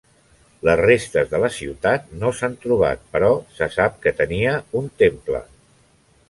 Les restes de la ciutat no s'han trobat però se sap que tenia un temple.